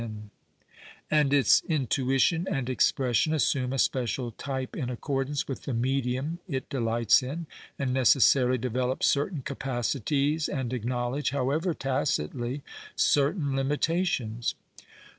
197 PASTTCTTE AND PREJUDICE and its intuit ion and expression assume a speeial type in accordance with the medium it dehyhts in, and necessarily develop certain capacities and aeknowledfje, however tacitly, certain limitations."